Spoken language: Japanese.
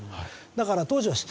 だから当時はあれ？